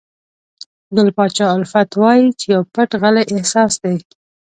ګل پاچا الفت وایي چې پو پټ غلی احساس دی.